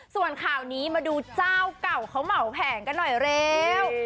ส่วนข่าวนี้มาดูเจ้าเก่าเขาเหมาแผงกันหน่อยเร็ว